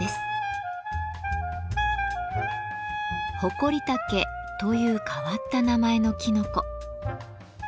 ホコリタケという変わった名前のきのこ。